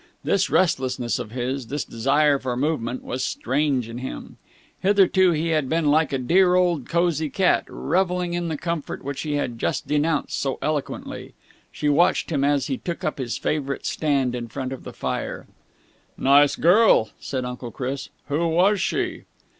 This restlessness of his, this desire for movement, was strange in him. Hitherto he had been like a dear old cosy cat, revelling in the comfort which he had just denounced so eloquently. She watched him as he took up his favourite stand in front of the fire. "Nice girl," said Uncle Chris. "Who was she?"